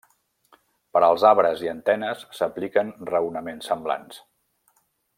Per als arbres i antenes s'apliquen raonaments semblants.